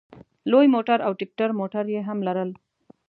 لوی موټر او ټیکټر موټر یې هم لرل.